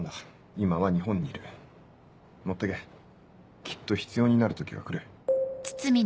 今は日本に持ってけきっと必要になる時が来る